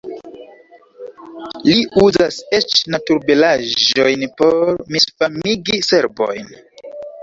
Li uzas eĉ naturbelaĵojn por misfamigi serbojn.